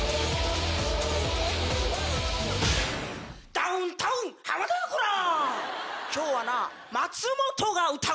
ダウンタウン・浜田やコラァ！